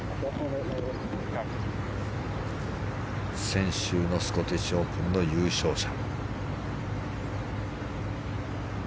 先週のスコティッシュオープンの優勝者。